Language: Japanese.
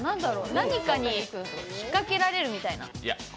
何かに引っ掛けられるみたいな？